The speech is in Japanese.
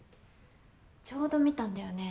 ちょうど見たんだよね